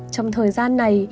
trong thời gian này